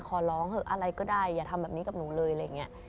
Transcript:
ขอร้องเถอะอะไรก็ได้อย่าทำแบบนี้กับหนูเลย